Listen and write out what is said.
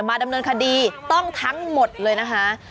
ดำเนินคดีต้องทั้งหมดเลยนะคะ